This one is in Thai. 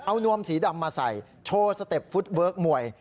เอานวมสีดำมาใส่โชว์สเต็ปฟุตเวิร์คมวย